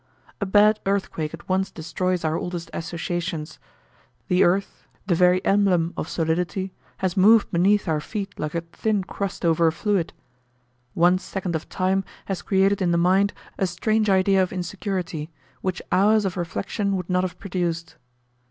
A bad earthquake at once destroys our oldest associations: the earth, the very emblem of solidity, has moved beneath our feet like a thin crust over a fluid; one second of time has created in the mind a strange idea of insecurity, which hours of reflection would not have produced.